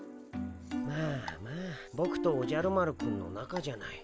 まあまあボクとおじゃる丸くんのなかじゃない。